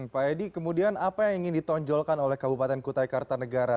pak edi kemudian apa yang ingin ditonjolkan oleh kabupaten kutai kartanegara